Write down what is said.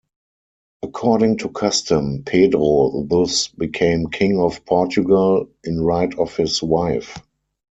According to custom, Pedro thus became king of Portugal in right of his wife.